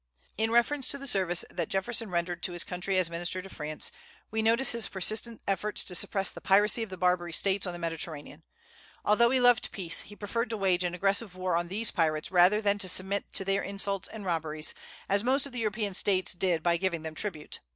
In reference to the service that Jefferson rendered to his country as minister to France we notice his persistent efforts to suppress the piracy of the Barbary States on the Mediterranean. Although he loved peace he preferred to wage an aggressive war on these pirates rather than to submit to their insults and robberies, as most of the European States did by giving them tribute.